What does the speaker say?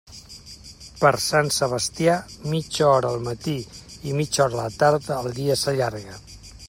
Per Sant Sebastià, mitja hora al matí i mitja a la tarda, el dia s'allarga.